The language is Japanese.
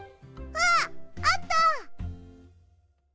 あっあった！